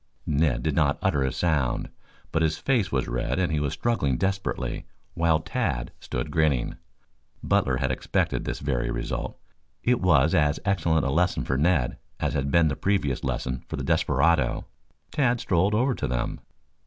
Ned did not utter a sound, but his face was red and he was struggling desperately, while Tad stood grinning. Butler had expected this very result. It was as excellent a lesson for Ned as had been the previous lesson for the desperado. Tad strolled over to them.